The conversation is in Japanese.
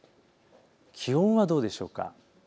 気温はどうでしょうか。